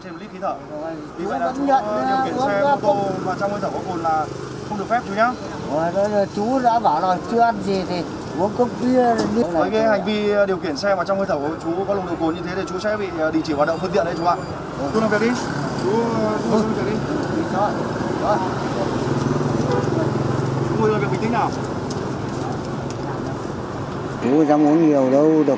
hành vi điều kiển xe vào trong hơi thở của chú có nồng độ phồn như thế thì chú sẽ bị định chỉ hoạt động phương tiện đấy chú ạ